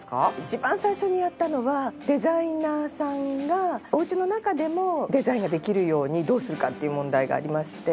一番最初にやったのはデザイナーさんがおうちの中でもデザインができるようにどうするかっていう問題がありまして。